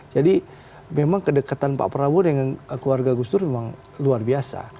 jadi memang kedekatan pak prabowo dengan keluarga agustus itu memang luar biasa